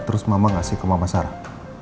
terus mama kasih ke mama sarah